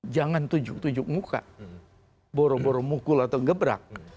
jangan tujuk tujuk muka boro boro mukul atau gebrak